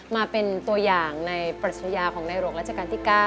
มาเป็นตัวอย่างในปรัชญาของในหลวงราชการที่๙